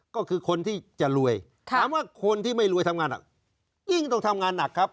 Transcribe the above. ก็คือคนที่จะรวยถามว่าคนที่ไม่รวยทำงานหนักยิ่งต้องทำงานหนักครับ